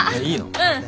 うん。